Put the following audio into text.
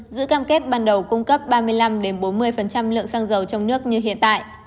giữ cam kết ban đầu cung cấp ba mươi năm bốn mươi lượng xăng dầu trong nước như hiện tại